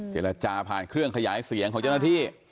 เจรจาผ่านเครื่องขยายเสียงของเจ้าหน้าที่